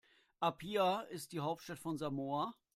Apia ist die Hauptstadt von Samoa.